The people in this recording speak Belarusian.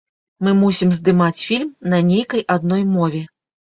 Мы мусім здымаць фільм на нейкай адной мове.